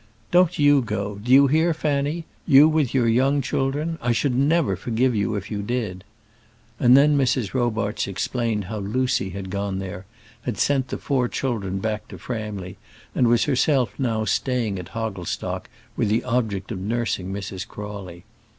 Don't you go, do you hear, Fanny? You with your young children! I should never forgive you if you did." And then Mrs. Robarts explained how Lucy had gone there, had sent the four children back to Framley, and was herself now staying at Hogglestock with the object of nursing Mrs. Crawley.